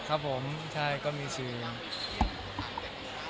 อ๋อครับผมใช่ก็มีชีวิต